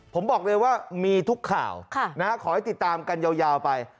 ผมบอกเลยว่ามีทุกข่าวขอให้ติดตามกันยาวไป